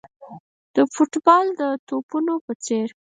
د فوټبال د توپونو په څېر.